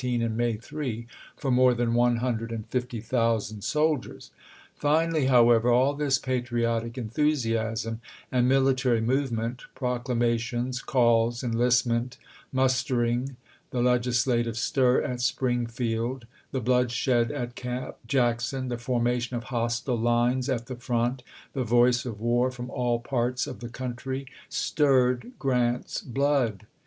and May 3, for. more than 150,000 soldiers. Finally, however, all this patriotic enthusiasm and military movement, proclamations, calls, en listment, mustering, the legislative stir at Spring field, the bloodshed at Camp Jackson, the formation of hostile lines at the front, the voice of war from all parts of the country, stirred Grant's blood.